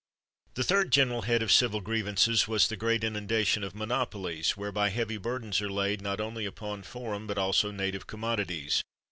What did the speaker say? The third general head of civil grievances was, the great inundation of monopolies, whereby heavy burdens are laid, not only upon foreign, but also native commodities.